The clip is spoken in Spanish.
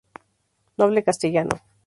Noble castellano.